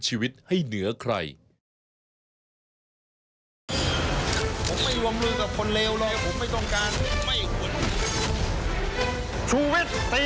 ชีวิตตีแสดหน้า